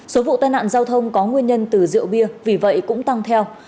số vụ tai nạn giao thông có nguyên nhân từ rượu bia vì vậy cũng tăng theo